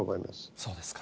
そうですか。